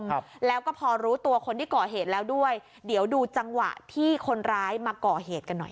ครับแล้วก็พอรู้ตัวคนที่ก่อเหตุแล้วด้วยเดี๋ยวดูจังหวะที่คนร้ายมาก่อเหตุกันหน่อย